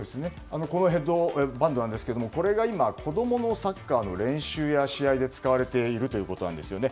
このヘッドバンドは子供のサッカーの練習や試合で使われているということなんですよね。